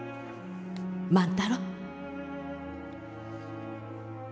万太郎。